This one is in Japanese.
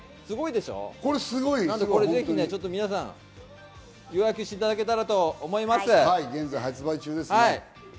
ぜひ皆さん、ちょっと予約していただけたらと思います。